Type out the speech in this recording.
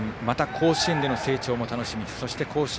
また甲子園での成長の楽しみ。